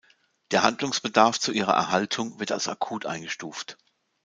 Der Handlungsbedarf zu ihrer Erhaltung wird als akut eingestuft.